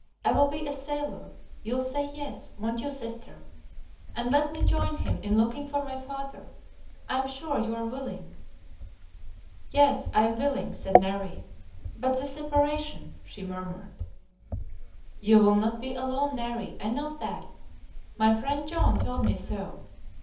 I will be a sailor, you'll say yes, won't you, sister? And let me join him in looking for my father. I am sure you are willing." "Yes, I am willing," said Mary. "But the separation!" she murmured. "You will not be alone, Mary, I know that. My friend John told me so.